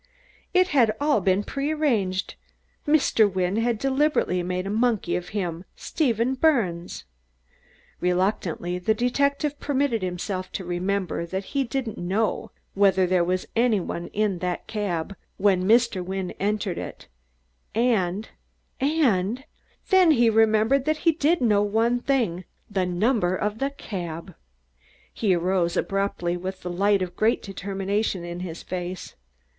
It had all been prearranged; Mr. Wynne had deliberately made a monkey of him Steven Birnes! Reluctantly the detective permitted himself to remember that he didn't know whether there was anybody in that cab or not when Mr. Wynne entered it, and and ! Then he remembered that he did know one thing the number of the cab! He arose abruptly, with the light of a great determination in his face.